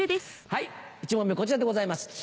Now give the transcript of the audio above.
１問目こちらでございます。